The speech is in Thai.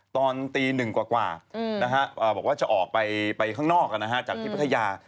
ตอนตี๑กว่ากว่านะฮะบอกว่าจะออกไปข้างนอกนะฮะจากที่พัทยา